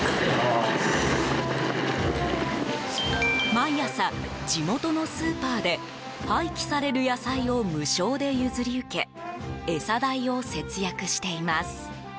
毎朝、地元のスーパーで廃棄される野菜を無償で譲り受け餌代を節約しています。